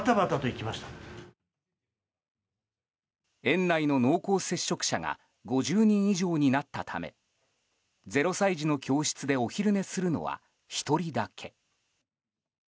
園内の濃厚接触者が５０人以上になったため０歳児の教室でお昼寝するのは１人だけ。